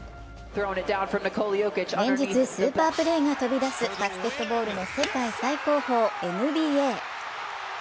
連日、スーパープレーが飛び出すバスケットボールの世界最高峰、ＮＢＡ。